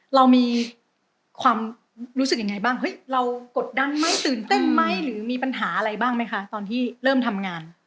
เรามีความรู้สึกยังไงบ้างเฮ้ยเรากดดันไหมตื่นเต้นไหมหรือมีปัญหาอะไรบ้างไหมคะตอนที่เริ่มทำงาน